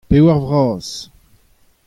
Pevar vras.